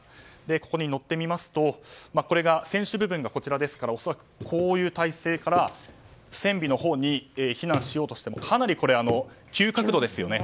ここに乗ってみますと船首部分が左なので恐らくこういう体勢から船尾のほうに避難しようとしてもかなり急角度ですよね。